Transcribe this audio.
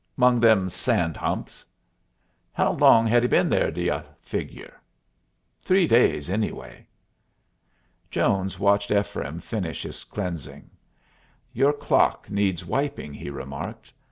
'Mong them sand humps." "How long had he been there, do y'u figure?" "Three days, anyway." Jones watched Ephraim finish his cleansing. "Your clock needs wiping," he remarked.